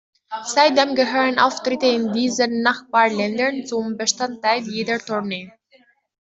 Seitdem gehören Auftritte in diesen Nachbarländern zum Bestandteil jeder Tournee.